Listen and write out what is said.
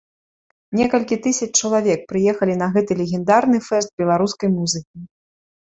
Некалькі тысяч чалавек прыехалі на гэты легендарны фэст беларускай музыкі.